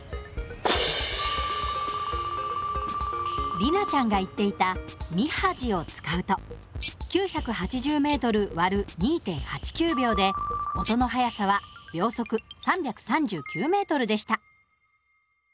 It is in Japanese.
里奈ちゃんが言っていた「みはじ」を使うと９８０ｍ÷２．８９秒で音の速さは秒速３３９ｍでした。